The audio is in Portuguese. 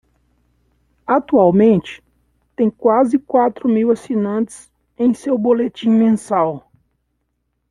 Atualmente, tem quase quatro mil assinantes em seu boletim mensal.